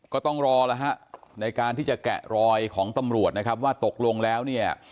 ก็ต้องรอแล้วฮะในการที่จะแกะรอยของตำรวจนะครับว่าตกลงแล้วเนี่ย